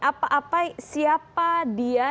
apa apa siapa dia